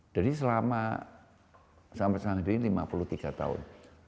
jadi selama sampai sekarang ini lima puluh tiga tahun